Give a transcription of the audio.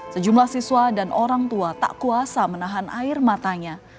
sejumlah siswa dan orang tua tak kuasa menahan air matanya